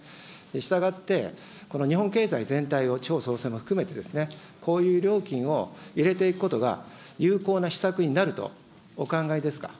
したがって、この日本経済全体を地方創生も含めて、こういう料金を入れていくことが、有効な施策になるとお考えですか。